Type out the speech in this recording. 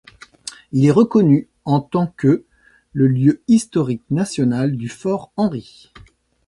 Il est reconnu en tant que le lieu historique national du Fort-Henry.